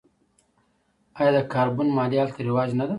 آیا د کاربن مالیه هلته رواج نه ده؟